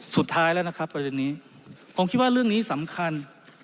สุดท้ายแล้วนะครับประเด็นนี้ผมคิดว่าเรื่องนี้สำคัญ